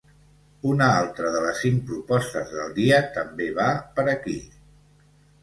Una altra de les cinc propostes del dia també va per aquí.